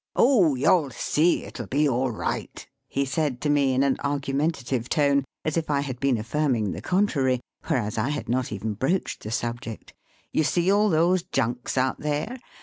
" Oh, you'll see it'll be all right," he said to me in an argumentative tone, as if I had been affirming the contrary, whereas I had not even broached the subject. "You see all those junks out there